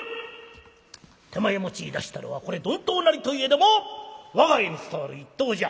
手前持ちいだしたるはこれ鈍刀なりといえども我が家に伝わる一刀じゃ。